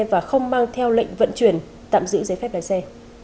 và không mang theo lệnh vận chuyển tạm giữ giấy phép lái xe